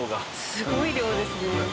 すごい量ですね。